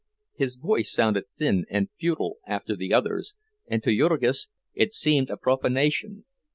His voice sounded thin and futile after the other's, and to Jurgis it seemed a profanation.